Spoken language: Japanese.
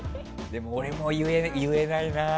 俺も言えないな。